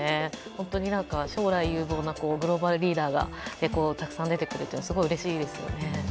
本当に将来有望なグローバルリーダーがたくさん出てくるのはうれしいですよね。